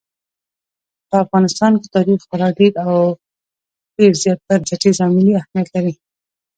په افغانستان کې تاریخ خورا ډېر او ډېر زیات بنسټیز او ملي اهمیت لري.